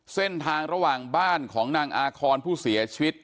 เส้นทางระหว่างบ้านของนางอาคอนผู้เสียชีวิต